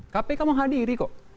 kpk mau hadiri kok